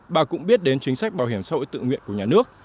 bà cũng biết đến chính sách bảo hiểm xã hội tự nguyện của nhà nước